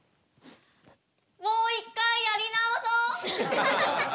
もう一回やり直そう！